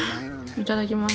いただきます。